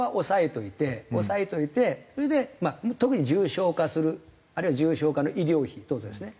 そこは押さえておいてそれで特に重症化するあるいは重症化の医療費等々ですね。